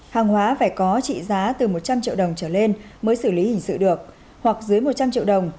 hàng hóa phải có trị giá từ một trăm linh triệu đồng trở lên mới xử lý hình sự được hoặc dưới một trăm linh triệu đồng